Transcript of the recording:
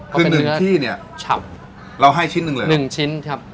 คือหนึ่งที่เนี่ยฉับเราให้ชิ้นหนึ่งเลยหนึ่งชิ้นครับ